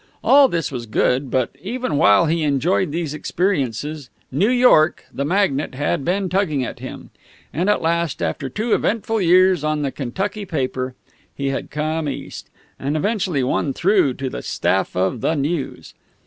All this was good, but even while he enjoyed these experiences, New York, the magnet, had been tugging at him, and at last, after two eventful years on the Kentucky paper, he had come East, and eventually won through to the staff of the News.